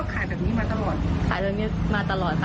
ปกตินี่ก็ขายแบบนี้มาตลอด